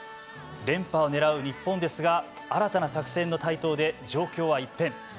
連覇をねらう日本ですが新たな作戦の台頭で状況は一変。